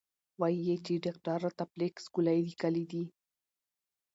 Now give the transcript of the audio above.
وې ئې چې ډاکټر راته فلکس ګولۍ ليکلي دي -